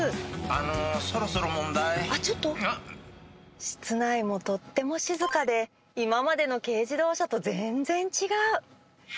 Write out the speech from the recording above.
あのそろそろ問題室内もとっても静かで今までの軽自動車と全然違う。